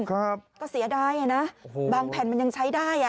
ครับก็เสียดายนะบางแผนมันยังใช้ได้